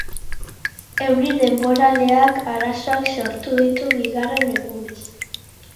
Euri denboraleak arazoak sortu ditu bigarren egunez.